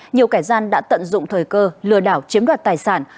nhiều kẻ gian đã tận dụng thời cơ lừa đảo chiếm đoạt tài sản